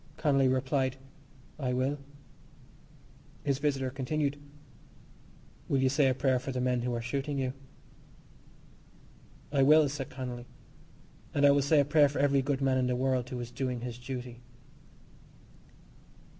Connolly replied: "I will." His visitor continued: "Will you say a prayer for the men who are shooting you?" "I will," said Connolly, "and I will say a prayer for every good man in the world who is doing his duty."